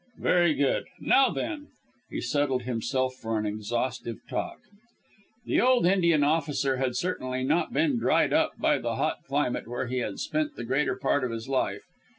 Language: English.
Very good. Now then!" He settled himself for an exhaustive talk. The old Indian officer had certainly not been dried up by the hot climate where he had spent the greater part of his life.